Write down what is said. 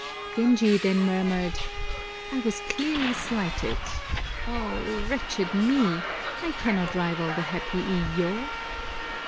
Genji then murmured, "I was clearly slighted. Oh wretched me! I cannot rival the happy Iyo!"